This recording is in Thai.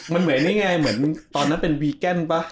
มันเหมือนในง่ายตอนนั้นเป็นวีแก้นปะ